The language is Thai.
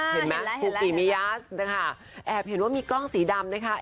เห็นไหมซูกิมิยาสนะคะแอบเห็นว่ามีกล้องสีดำนะคะ